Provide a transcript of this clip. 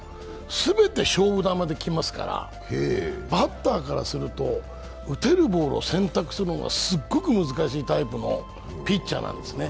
すべて勝負球できますからバッターからすると打てるボールを選択するのがすごい難しいタイプのピッチャーなんですね。